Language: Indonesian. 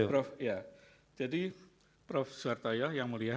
prof ya jadi prof suhartoyo yang mulia